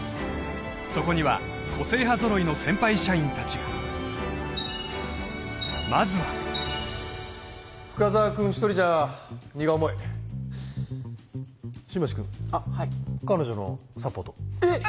そこには個性派ぞろいの先輩社員達がまずは深沢君１人じゃ荷が重い新町君あっはい彼女のサポートえっ！？